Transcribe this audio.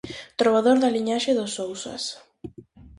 Trobador da liñaxe dos Sousas.